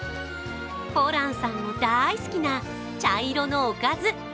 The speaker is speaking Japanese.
ホランさんも大好きな茶色のおかず。